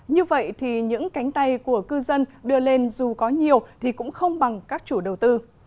như vậy thì những cánh tay của cư dân đưa lên dù có nhiều thì cũng không bằng các chủ đầu tư